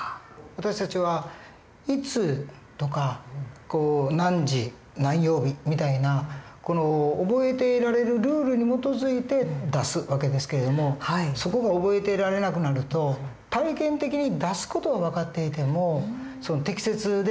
私たちはいつとか何時何曜日みたいな覚えていられるルールに基づいて出す訳ですけれどもそこが覚えていられなくなると体験的に出す事は分かっていても適切でなかったりする訳ですね。